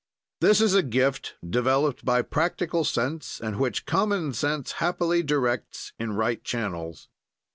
"This is a gift, developed by practical sense and which common sense happily directs in right channels.